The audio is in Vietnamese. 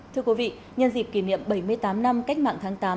thưa quý vị nhân dịp kỷ niệm bảy mươi tám năm cách mạng tháng tám